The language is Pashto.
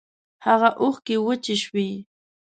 هاغه اوښکی وچې شوې